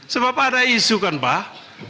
sebab ada isu kan pak